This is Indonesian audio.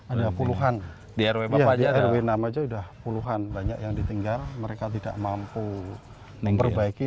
ada puluhan rw enam saja sudah puluhan banyak yang ditinggal mereka tidak mampu memperbaiki